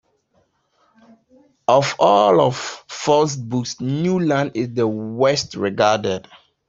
Of all of Fort's books, "New Lands" is the worst-regarded.